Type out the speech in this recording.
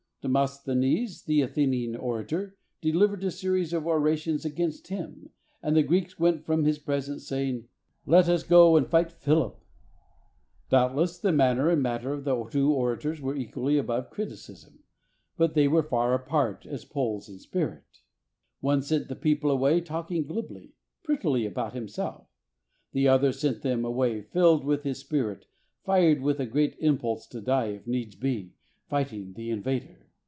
Demosthenes, the Athenian orator, delivered a series of ora tions against him, and the Greeks went from his presence saying, "Let us go and fight Philip !" Doubtless the manner and matter of the two orators were equally above criticism, but they were as far apart as the poles in spirit. One sent the people away talking glibly, prettily about himself; the other sent them away filled with his spirit, fired with a great impulse to die, if needs be, fighting the in vader.